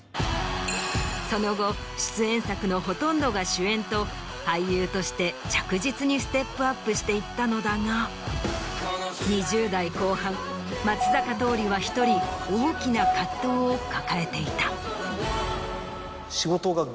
その後出演作のほとんどが主演と俳優として着実にステップアップしていったのだが２０代後半松坂桃李は１人大きな葛藤を抱えていた。